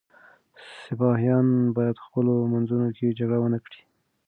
سپایان باید په خپلو منځونو کي جګړه ونه کړي.